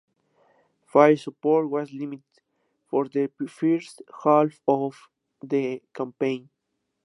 Fire support was limited for the first half of the campaign.